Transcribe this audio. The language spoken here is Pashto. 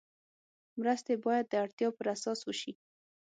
مرستې باید د اړتیا پر اساس وشي.